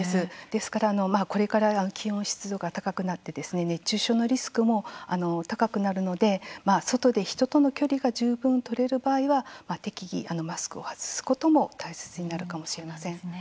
ですからこれから気温、湿度が高くなって熱中症のリスクも高くなるので外で人との距離が十分取れる場合は適宜、マスクを外すことも大切になるかもしれません。